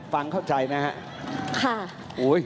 ฟังเข้าใจไหมฮะ